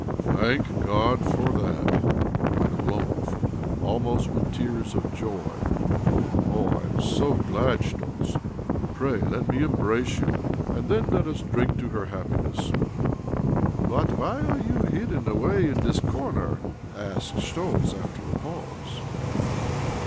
" Thank God for that !" cried Oblomov, almost with tears of joy. " Oh, I am so glad, Schtoltz ! Pray let me embrace you, and then let us drink to her happiness !"" But why are you hidden away in this corner?" asked Schtoltz after a pause.